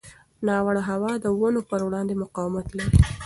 ناوړه هوا د ونو پر وړاندې مقاومت لري.